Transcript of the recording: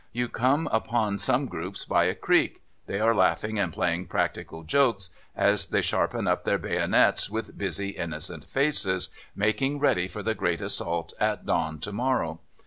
You come upon some groups by a creek: they are laughing and playing practical jokes as they sharpen up their bayonets with busy, innocent faces, making ready for the great assault at dawn to morrow.